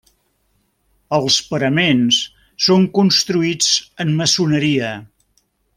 Els paraments són construïts en maçoneria.